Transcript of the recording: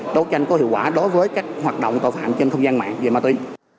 đấu tranh có hiệu quả đối với các hoạt động tội phạm trên không gian mạng về ma túy